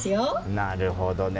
なるほどね。